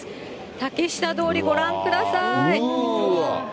竹下通り、ご覧ください。